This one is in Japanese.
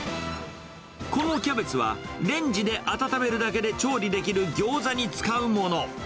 このキャベツは、レンジで温めるだけで調理できるギョーザに使うもの。